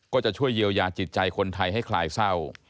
ก็จะช่วยเยียวยาจิตใจคนไทยให้คลายเศร้า